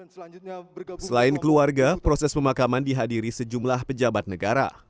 selain keluarga proses pemakaman dihadiri sejumlah pejabat negara